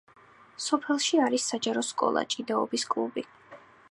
სოფელში არის საჯარო სკოლა, ჭიდაობის კლუბი.